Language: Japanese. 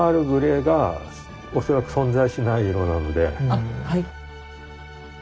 あっはい。